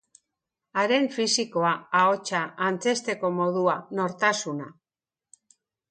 Haren fisikoa, ahotsa, antzezteko modua, nortasuna.